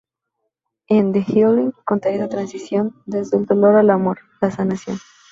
En "The Healing" contaría esa transición desde el dolor al amor, la sanación.